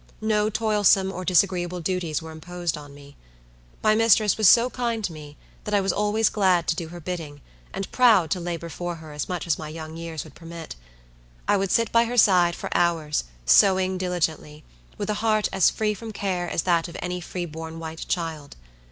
No toilsome or disagreeable duties were imposed on me. My mistress was so kind to me that I was always glad to do her bidding, and proud to labor for her as much as my young years would permit. I would sit by her side for hours, sewing diligently, with a heart as free from care as that of any free born white child.